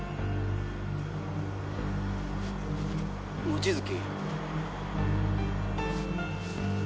望月？